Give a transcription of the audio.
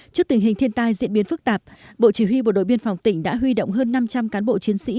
trước tình hình thiên tai diễn biến phức tạp bộ chỉ huy bộ đội biên phòng tỉnh đã huy động hơn năm trăm linh cán bộ chiến sĩ